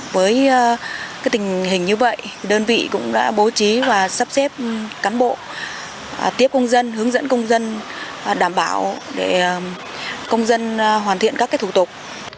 với tình hình như vậy đơn vị cũng đã bố trí và sắp xếp cán bộ tiếp công dân hướng dẫn công dân đảm bảo để công dân hoàn thiện các thủ tục